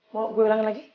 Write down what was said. mau gua ulangin lagi